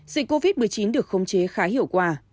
dịch covid một mươi chín được khống chế khá hiệu quả